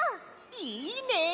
いいねえ！